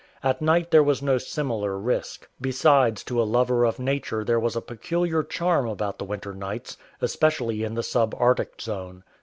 At night there was no similar risk. Besides to a lover of nature there was a peculiar charm about the winter nights, especially in the sub Arctic zone.